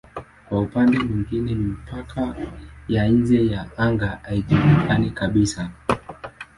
Kwa upande mwingine mipaka ya nje ya anga haijulikani kabisa.